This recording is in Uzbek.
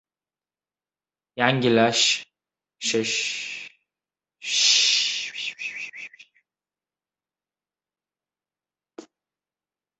yanglishish, urilib-surilish, doim kurashish va nimalarnidir boy berish kerak.